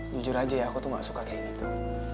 jujur aja ya aku tuh gak suka kayak gitu